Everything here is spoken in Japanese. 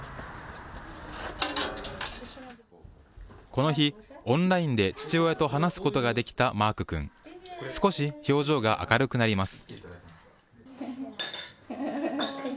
この日、オンラインで父親と話すことができたマーク君。少し表情が明るくなります。